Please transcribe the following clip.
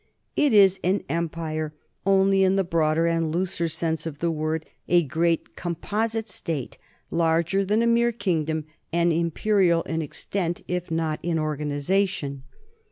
It is an empire only in the broader and looser sense of the word, a great composite state, larger than a mere kingdom and imperial in extent if not in organization.